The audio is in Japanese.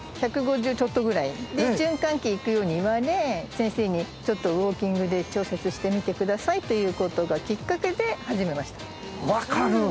ちょっとぐらいで循環器行くように言われ先生に「ちょっとウォーキングで調節してみてください」ということがきっかけで始めました分かる！